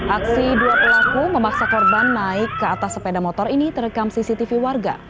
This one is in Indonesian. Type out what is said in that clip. aksi dua pelaku memaksa korban naik ke atas sepeda motor ini terekam cctv warga